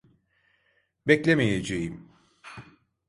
Beklemeyeceğim.